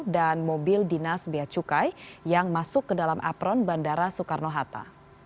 dan mobil dinas biacukai yang masuk ke dalam apron bandara soekarno hatta